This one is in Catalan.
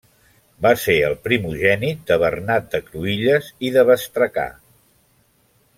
Va ser el primogènit de Bernat de Cruïlles i de Bestracà.